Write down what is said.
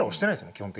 基本的には。